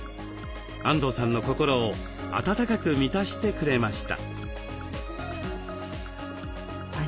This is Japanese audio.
安藤さんの心を温かく満たしてくれました。